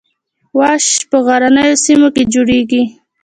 واش په غرنیو سیمو کې جوړیږي